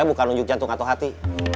bukan nunjuk jantung atau hati